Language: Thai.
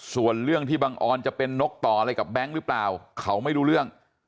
ส่วนเรื่องที่บังออนจะเป็นนกต่ออะไรกับแบงค์หรือเปล่าเขาไม่รู้เรื่อง